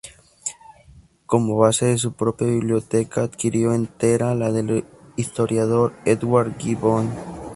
Como base de su propia biblioteca adquirió entera la del historiador Edward Gibbon.